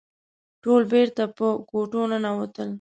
ټول بېرته په کوټو ننوتل.